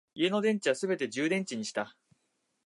家の電池はすべて充電池にした